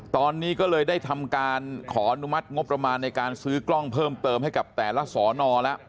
ตอนนี้ก็เลยได้ทำการขออนุมัติงบประมาณในการซื้อกล้องเพิ่มเติมให้กับแต่ละสอนอแล้ว